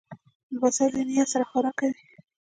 لمسی له نیا سره خوراک کوي.